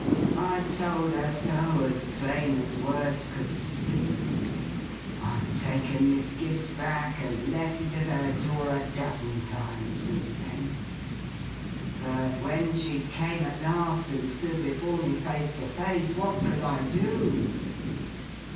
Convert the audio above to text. I told her so, as plain as words could speak. I've taken this gift back and left it at her door, a dozen times since then. But when she came at last, and stood before me, face to face, what could I do?